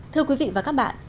thưa quý vị và các bạn